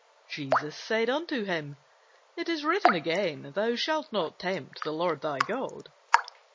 Jesus said unto him, It is written again, Thou shalt not tempt the Lord thy God.